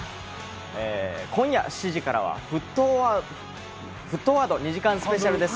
今夜７時からは『沸騰ワード２時間スペシャル』です。